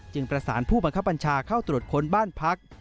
ประสานผู้บังคับบัญชาเข้าตรวจค้นบ้านพัก